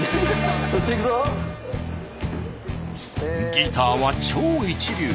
ギターは超一流。